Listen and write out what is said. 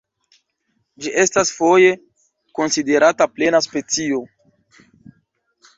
Ĝi estas foje konsiderata plena specio.